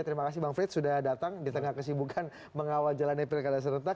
terima kasih bang frits sudah datang di tengah kesibukan mengawal jalannya pilkada serentak